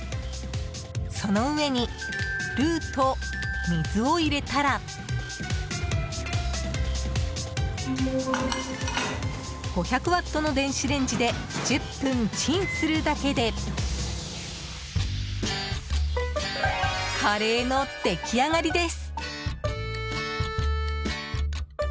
その上に、ルーと水を入れたら５００ワットの電子レンジで１０分チンするだけでカレーの出来上がりです。